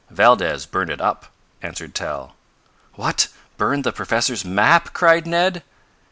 "Valdez burn it up," answered Tal. "What, burned the professor's map?" cried Ned.